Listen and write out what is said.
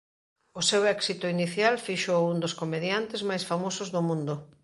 O seu éxito inicial fíxoo un dos comediantes máis famosos do mundo.